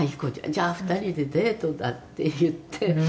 じゃあ２人でデートだ”って言って」